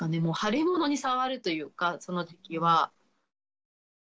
もう腫れ物に触るというかその時は。